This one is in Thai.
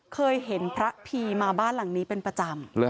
เคยเห็นพระพีมาบ้านหลังนี้เป็นประจำ